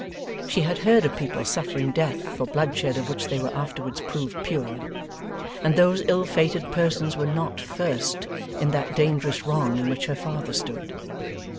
She had heard of people suffering Death for bloodshed of which they were afterwards proved pure, and those ill fated persons were not, first, in that dangerous wrong in which her father stood.